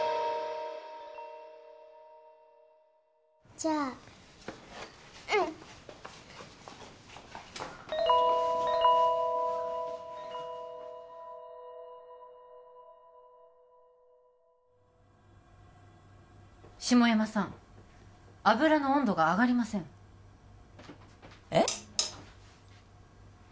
じゃあうん下山さん油の温度が上がりませんえっ？